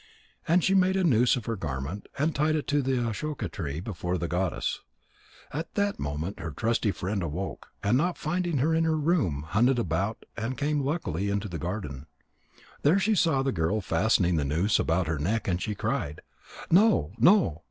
And she made a noose of her garment, and tied it to the ashoka tree before the goddess. At that moment her trusty friend awoke, and not finding her in the room, hunted about and came luckily into the garden. There she saw the girl fastening the noose about her neck, and she cried, "No, no!"